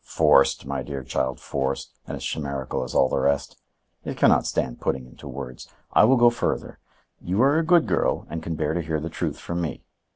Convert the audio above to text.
"Forced, my dear child, forced; and as chimerical as all the rest. It can not stand putting into words. I will go further,—you are a good girl and can bear to hear the truth from me.